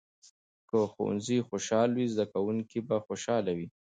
که ښوونځي خوشال وي، زده کوونکي به خوشحاله وي.